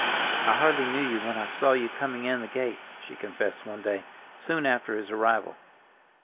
"I hardly knew you when I saw you coming in the gate," she confessed one day soon after his arrival.